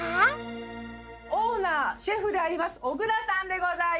オーナーシェフであります小椋さんでございます。